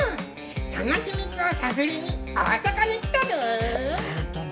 その秘密を探りに大阪に来たにゅ。